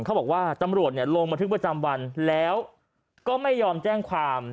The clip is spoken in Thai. เขาบอกว่าตำรวจลงบันทึกประจำวันแล้วก็ไม่ยอมแจ้งความ